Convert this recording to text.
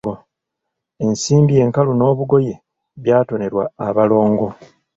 Ensimbi enkalu n'obugoye byatonerwa abalongo.